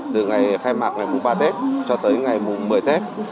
từ ngày khai mạc ngày mùa ba tết cho tới ngày mùa một mươi tết